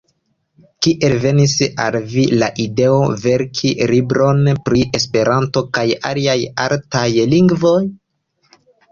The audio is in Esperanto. Kiel venis al vi la ideo verki libron pri Esperanto kaj aliaj artaj lingvoj?